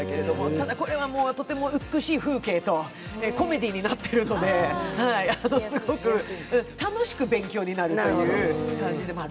ただ、これはもう、とても美しい風景とコメディーになっているので、すごく楽しく勉強になるという感じでもある。